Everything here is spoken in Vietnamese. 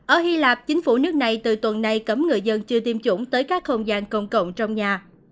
ở hy lạp chính phủ nước này từ tuần này cấm người dân chưa tiêm chủng tới các không gian công cộng trong nhà